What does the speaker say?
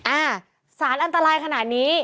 อ่าสารอันตรายขนาดนี้